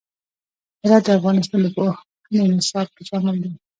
هرات د افغانستان د پوهنې نصاب کې شامل دي.